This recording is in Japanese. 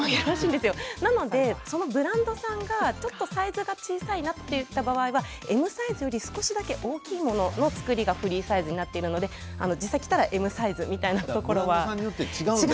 ですのでブランドさんがちょっとサイズが小さいなという場合にはＭサイズでちょっと大きいものの作りがフリーサイズになっていますので実際に着たらＭサイズということがあります。